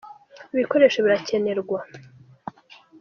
ibikoresho birakenerwa